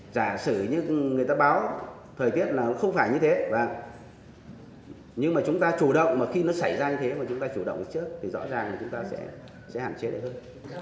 giả sử như người ta báo thời tiết là không phải như thế và nhưng mà chúng ta chủ động mà khi nó xảy ra như thế mà chúng ta chủ động trước thì rõ ràng là chúng ta sẽ hạn chế lại hơn